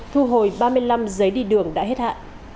thu hồi ba mươi năm giấy đi đường đã hết hạn